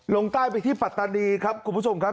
ลงใต้ไปที่ปัตตานีครับคุณผู้ชมครับ